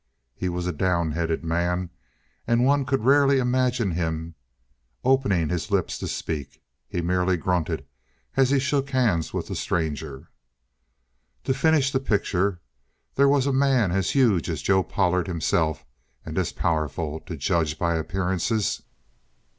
He was a down headed man, and one could rarely imagine him opening his lips to speak; he merely grunted as he shook hands with the stranger. To finish the picture, there was a man as huge as Joe Pollard himself, and as powerful, to judge by appearances.